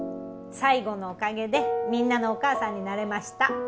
才悟のおかげでみんなのお母さんになれました。